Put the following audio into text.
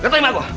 gak terima gue